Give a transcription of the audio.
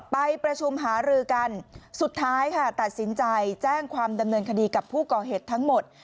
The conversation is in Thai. ไปประชุมหารือกันสุดท้ายค่ะตัดสินใจแจ้งความดำเนินคดีกับผู้ก่อเหตุทั้งหมด